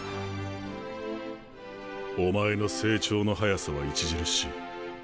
お前の成長の速さは著しい。